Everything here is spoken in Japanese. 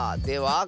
では